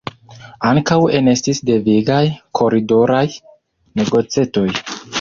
Ankaŭ enestis devigaj koridoraj negocetoj.